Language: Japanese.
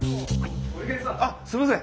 あっすいません。